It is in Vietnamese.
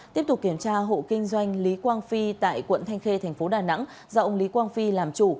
tiếp tục kiểm tra hộ kinh doanh lý quang phi tại quận thanh khê thành phố đà nẵng do ông lý quang phi làm chủ